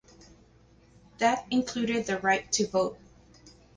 That included the right to vote.